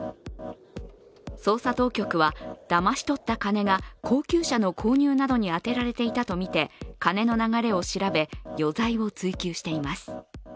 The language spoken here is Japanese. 捜査当局はだまし取った金が高級車の購入などに充てられていたとみて、金の流れを調べ、余罪を追及しています。